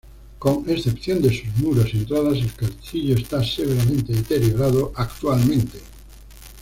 Con excepción de sus muros y entradas, el castillo está severamente deteriorado actualmente.